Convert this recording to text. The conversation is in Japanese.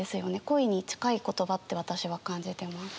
「恋」に近い言葉って私は感じてます。